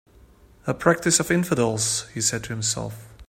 "A practice of infidels," he said to himself.